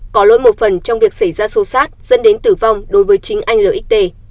có lỗi một phần trong việc xảy ra xô xát dẫn đến tử vong đối với chính anh l